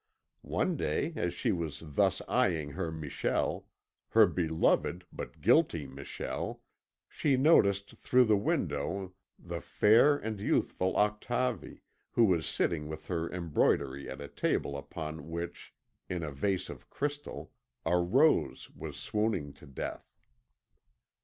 One day, as she was thus eyeing her Michel her beloved but guilty Michel she noticed through the window the fair and youthful Octavie, who was sitting with her embroidery at a table upon which, in a vase of crystal, a rose was swooning to death.